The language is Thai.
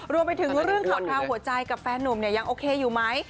รวมไปถึงเรื่องข่าวหัวใจกับแฟนนุ่มเนี่ยยังโอเคอยู่ไหม